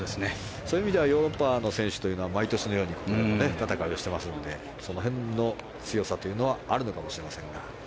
そういう意味ではヨーロッパの選手というのは毎年のようにここで戦いをしていますのでその辺の強さというのはあるかもしれませんが。